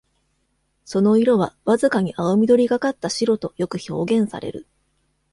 その色はわずかに青緑がかった白とよく表現される。